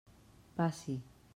Passi.